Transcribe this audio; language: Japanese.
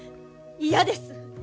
嫌です